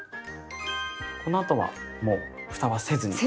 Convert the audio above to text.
このあとはもうふたはせずに。